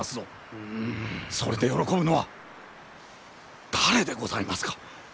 それで喜ぶのは誰でございますか？